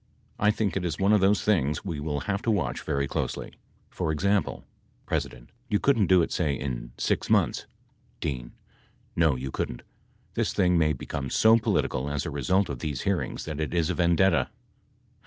I think it is one of those things we will have to watch very closely. For example, P. You couldn't do it, say, in six months. D. No, you couldn't. This thing may become so political as a result of these hearings that it is a vendetta.